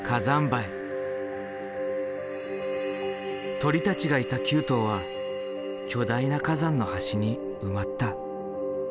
鳥たちがいた旧島は巨大な火山の端に埋まった。